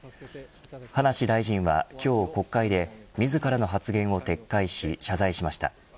葉梨大臣は今日、国会で自らの発言を撤回し謝罪しました。